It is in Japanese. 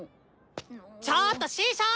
ちょっと師匠！